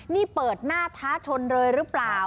นี่เปิดหน้าท้าชนเลยหรือเปล่า